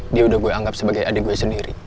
dia udah gue anggap sebagai adik gue sendiri